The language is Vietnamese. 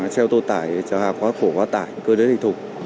xe ô tô tải xe hạp hóa khổ hóa tải cơ giới hình thục